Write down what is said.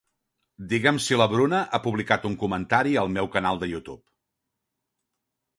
Digue'm si la Bruna ha publicat un comentari al meu canal de YouTube.